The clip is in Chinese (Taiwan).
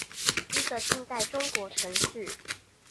一個近代中國城市